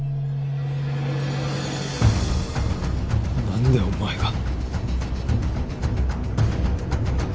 何でお前が！？